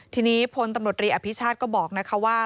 ทีนี้พลตำรวจรีอภิชาติก็บอกนะคะว่า